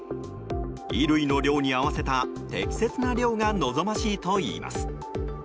衣類の量に合わせた適切な量が望ましいといいます。